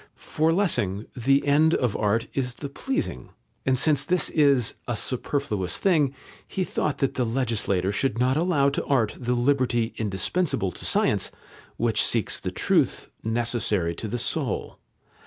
For Lessing, the end of art is the pleasing, and since this is "a superfluous thing," he thought that the legislator should not allow to art the liberty indispensable to science, which seeks the truth, necessary to the soul.